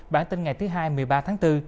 bản tin ngày thứ hai một mươi ba tháng bốn